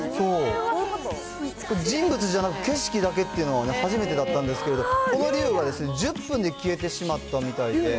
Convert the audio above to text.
人物じゃなくて景色だけって初めてだったんですけど、この龍は１０分で消えてしまったみたいで。